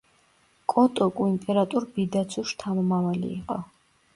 კოტოკუ იმპერატორ ბიდაცუს შთამომავალი იყო.